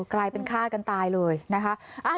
กลายเป็นฆ่ากันตายเลยนะคะ